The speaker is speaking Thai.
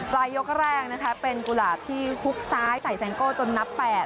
รายยกแรกนะคะเป็นกุหลาบที่ฮุกซ้ายใส่แซงโก้จนนับ๘